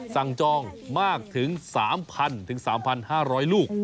สั่งจองมากถึง๓๐๐๐๓๕๐๐ลูก